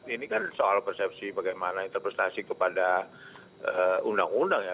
ini kan soal persepsi bagaimana interpretasi kepada undang undang ya